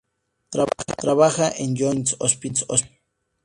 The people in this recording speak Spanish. Trabaja en el Johns Hopkins Hospital.